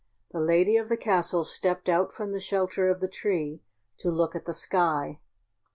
The lady of the castle stepped out from the shelter of the tree to look at the sky.